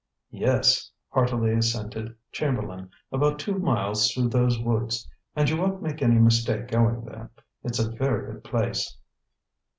"Yes," heartily assented Chamberlain, "about two miles through those woods, and you won't make any mistake going there; it's a very good place."